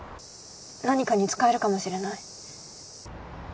何かに使えるかもしれない。